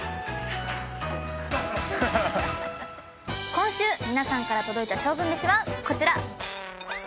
今週皆さんから届いた勝負めしはこちら。